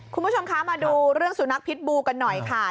คุณผู้ชมคะมาดูเรื่องสุนัขพิษบูกันหน่อยค่ะ